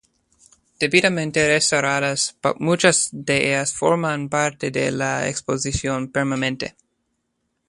Debidamente restauradas, muchas de ellas forman parte de la exposición permanente.